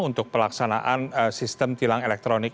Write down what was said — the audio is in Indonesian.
untuk pelaksanaan sistem tilang elektronik